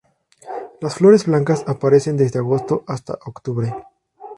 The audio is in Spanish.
Las flores blancas aparecen desde agosto hasta octubre.